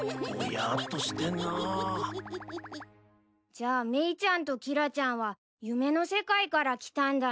じゃあメイちゃんとキラちゃんは夢の世界から来たんだね。